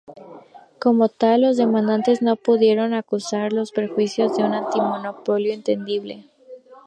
Como tal, los demandantes no pudieron acusar de perjuicios por un antimonopolio entendible.